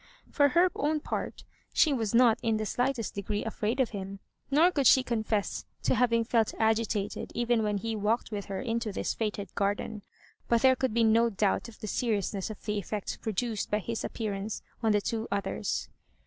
For her own part, she was not in the slightest degree afraid of him, nor could she confess to having felt agitated even when he walked with her into this fated garden ; but there could be no doubt of the seriousness of the effect produced by his appearance on the two others.